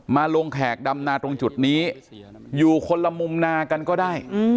มาลงแขกดำนาตรงจุดนี้อยู่คนละมุมนากันก็ได้